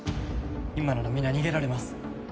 ・今なら皆逃げられます